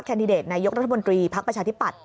แคนดิเดตนายกรัฐบนตรีภักดิ์ประชาธิปัตย์